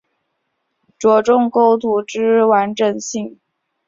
着重构图之完整性